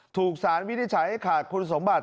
ถูกสารวิทยาศาสตร์ให้ขาดคุณสมบัติ